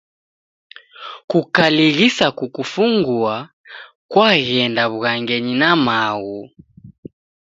Kukalighisa kukufungua kwaghenda w'ughangenyi na maghu.